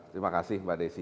terima kasih mbak desi